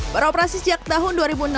beroperasi sejak tahun dua ribu enam belas